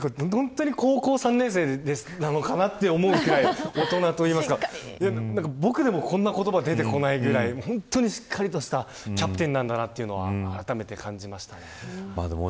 本当に高校３年生なのかなと思うくらい大人といいますか僕でもこんな言葉出てこないぐらい本当にしっかりとしたキャプテンなんだなというのはあらためて感じました。